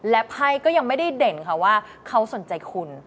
และไพ่ก็ยังไม่ได้เด่นค่ะว่าเขาสนใจคุณ